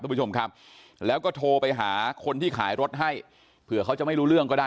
คุณผู้ชมครับแล้วก็โทรไปหาคนที่ขายรถให้เผื่อเขาจะไม่รู้เรื่องก็ได้